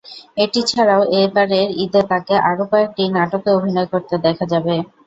এটি ছাড়াও এবারের ঈদে তাঁকে আরও কয়েকটি নাটকে অভিনয় করতে দেখা যাবে।